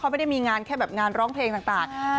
ไม่ได้มีงานแค่แบบงานร้องเพลงต่าง